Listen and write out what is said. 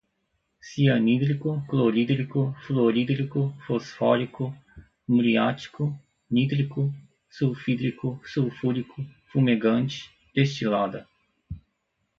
cianídrico, clorídrico, fluorídrico, fosfórico, muriático, nítrico, sulfídrico, sulfúrico, fumegante, destilada